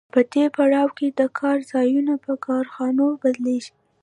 په دې پړاو کې د کار ځایونه په کارخانو بدلېږي